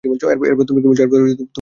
এরপর তুমি কি বলেছো?